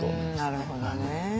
なるほどね。